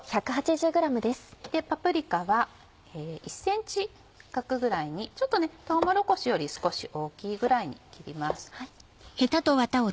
パプリカは１ｃｍ角ぐらいにとうもろこしより少し大きいぐらいに切ります。